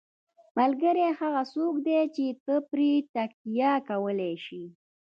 ملګری هغه څوک دی چې ته پرې تکیه کولی شې.